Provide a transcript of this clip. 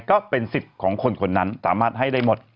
ก็เป็นสิทธิ์ของคนคนนั้นสามารถให้ได้หมด